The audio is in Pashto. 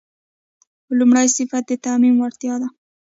لومړی صفت د تعمیم وړتیا ده.